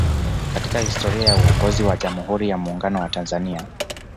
Katika historia ya uongozi wa Jamhuri ya Muungano wa Tanzania